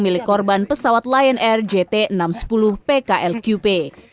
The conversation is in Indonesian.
milik korban pesawat lion air jt enam ratus sepuluh pklqp